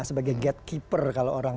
sebagai gatekeeper kalau orang